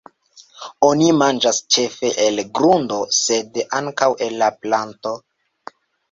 Oni manĝas ĉefe el grundo sed ankaŭ el la planto.